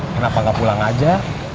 kenapa gak pulang aja